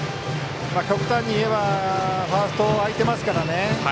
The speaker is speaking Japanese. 極端に言えば、ファーストは空いていますからね。